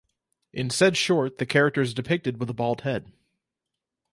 In said short, the character is depicted with a bald head.